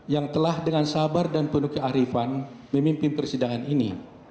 yang telah dengan sabar dan penuh kearifan memimpin persidangan ini